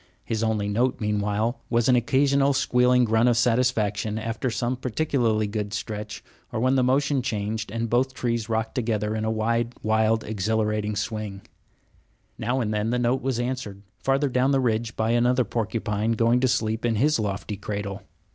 His only note, meanwhile, was an occasional squealing grunt of satisfaction after some particularly good stretch, or when the motion changed and both trees rocked together in a wide, wild, exhilarating swing. Now and then the note was answered, farther down the ridge, by another porcupine going to sleep in his lofty cradle.